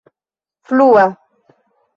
flua